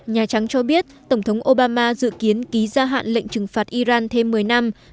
nhà trắng cho biết tổng thống obama dự kiến ký gia hạn lệnh trừng phạt iran thêm một mươi năm